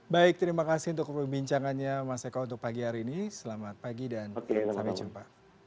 baik terima kasih untuk perbincangannya mas eko untuk pagi hari ini selamat pagi dan sampai jumpa